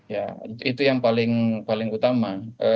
ya itu yang paling utama